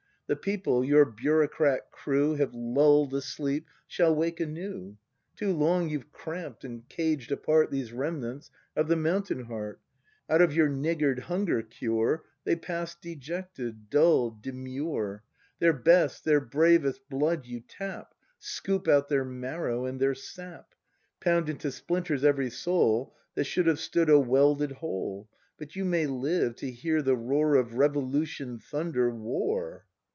The people, your bureaucrat crew Have lull'd asleep, shall wake anew; Too long you've cramp 'd and caged apart These remnants of the Mountain heart; Out of your niggard hunger cure They pass dejected, dull, demure: Their best, their bravest blood you tap. Scoop out their marrow and their sap, Pound into splinters every soul, That should have stood a welded whole; — But you may live to hear the roar Of revolution thunder: War!